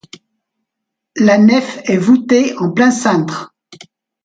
La nef est voûtée en plein cintre.